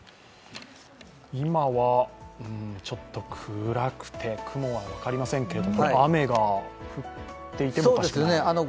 今はちょっと暗くて雲は分かりませんけど雨が降っていてもおかしくない？